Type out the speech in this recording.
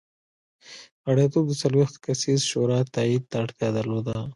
غړیتوب د څلوېښت کسیزې شورا تایید ته اړتیا درلوده.